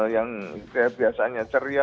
yang biasanya ceria